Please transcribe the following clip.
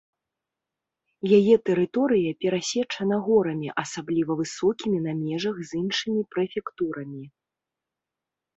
Яе тэрыторыя перасечана горамі, асабліва высокімі на межах з іншымі прэфектурамі.